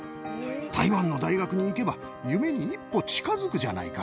台湾の大学に行けば、夢に一歩近づくじゃないか。